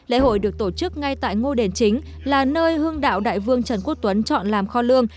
lễ hội được tổ chức ngay tại ngôi đền chính là nơi hương đạo đại vương trần quốc tuấn chọn làm kho lương